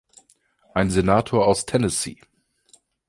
Ein Senator aus Tennessee.